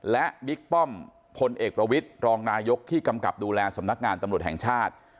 และบิ๊กป้อมพลเอกประวิทย์รองนายกที่กำกับดูแลสำนักงานตำรวจแห่งชาติ